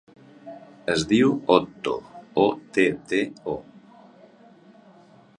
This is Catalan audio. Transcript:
Es diu Otto: o, te, te, o.